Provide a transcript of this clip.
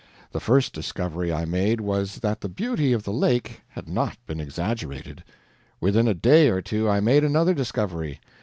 The first discovery I made was that the beauty of the lake had not been exaggerated. Within a day or two I made another discovery.